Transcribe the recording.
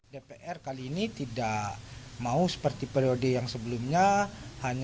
dpr kali ini tidak mau seperti periode yang sebelumnya hanya menutup mata dan telinga